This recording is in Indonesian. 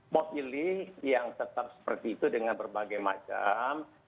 mau pilih yang tetap seperti itu dengan berbagai macam